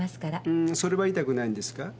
んーそれは痛くないんですか？